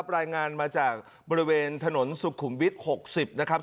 รายงานมาจากบริเวณถนนสุขุมวิทย์๖๐นะครับ